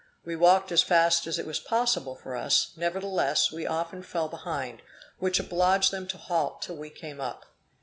We walked as fast as it was possible for us, nevertheless, we often fell behind, which obliged them to halt till we came up.